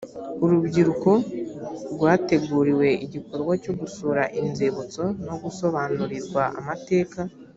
urubyiruko rwateguriwe igikorwa cyo gusura inzibutso no gusobanurirwa amateka